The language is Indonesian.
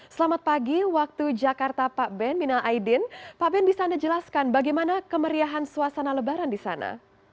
selamat pagi waktu jakarta pak ben mina aidin pak ben bisa anda jelaskan bagaimana kemeriahan suasana lebaran di sana